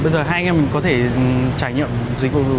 bây giờ hai anh em có thể trải nghiệm